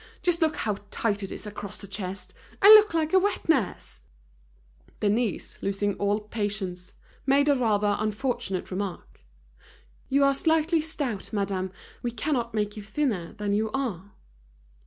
Just look how tight it is across the chest. I look like a wet nurse." Denise, losing all patience, made a rather unfortunate remark. "You are slightly stout, madame. We cannot make you thinner than you are."